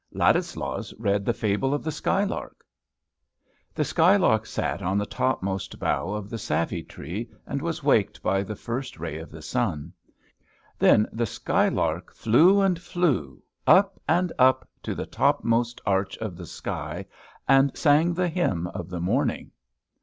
Ladislaus read the fable of the SKY LARK. The sky lark sat on the topmost bough of the savy tree, and was waked by the first ray of the sun. Then the sky lark flew and flew up and up to the topmost arch of the sky, and sang the hymn of the morning.